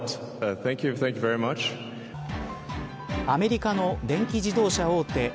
アメリカの電気自動車大手